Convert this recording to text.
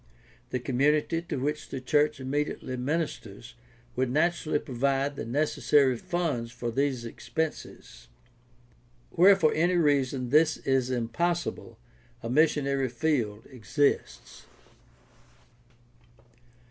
The community to which the church immediately ministers would naturally provide the necessary funds for these expenses. Where for any reason this is impossible a missionary field exists.